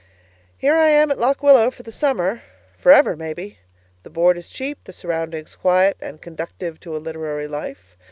Here I am at Lock Willow for the summer for ever maybe. The board is cheap; the surroundings quiet and conducive to a literary life.